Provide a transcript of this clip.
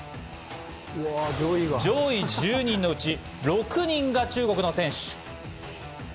上位１０人のうち６人が中国の選手。